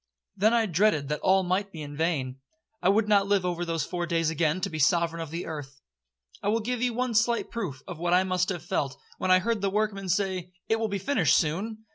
Then I dreaded that all might be in vain. I would not live over those four days again to be sovereign of the earth. I will give you one slight proof of what I must have felt, when I heard the workmen say, 'It will be finished soon.'